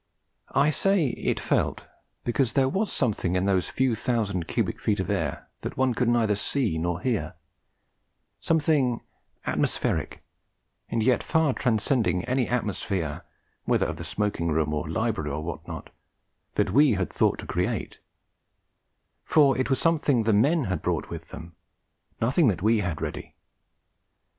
I say 'it felt,' because there was something in those few thousand cubic feet of air that one could neither see nor hear; something atmospheric, and yet far transcending any atmosphere, whether of the smoking room or library or what not, that we had thought to create; for it was something the men had brought with them, nothing that we had ready.